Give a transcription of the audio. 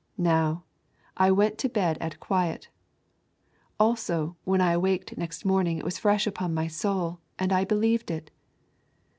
Now, I went to bed at quiet; also, when I awaked the next morning it was fresh upon my soul and I believed it